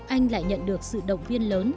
anh lại nhận được sự động viên lớn